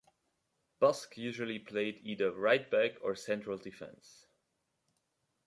Busk usually played either right-back or central defence.